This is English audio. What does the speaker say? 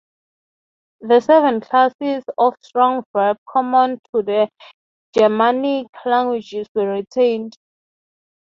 The seven classes of strong verb common to the Germanic languages were retained.